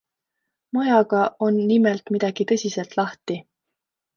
Majaga on nimelt midagi tõsiselt lahti.